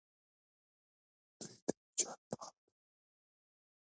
دوی د نجات لاره تړلې وه.